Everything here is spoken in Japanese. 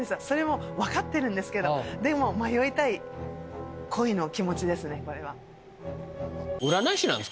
それも分かってるんですけどでも迷いたい恋の気持ちですね。